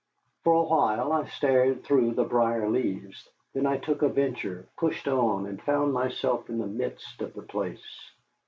For a while I stared through the brier leaves, then I took a venture, pushed on, and found myself in the midst of the place.